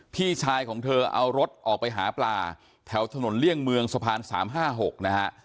พี่ชายของเธอเอารถออกไปหาปลาแถวถนนเลี่ยงเมืองสะพาน๓๕๖นะฮะ